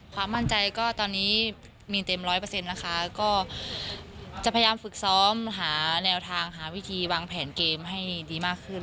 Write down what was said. ความมั่นใจก็ตอนนี้มีเต็ม๑๐๐แล้วก็จะพยายามฝึกซ้อมหาแนวทางหาวิธีวางแผนเกมให้ดีมากขึ้น